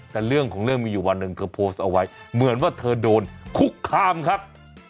แต่เรื่องของเรื่องมีอยู่วันหนึ่งเธอโพสต์เอาไว้เหมือนว่าเธอโดนคุกคามครับ